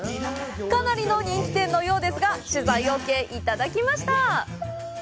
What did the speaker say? かなりの人気店のようですが、取材オーケー、いただきました！